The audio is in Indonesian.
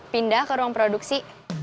pindah ke ruang produksi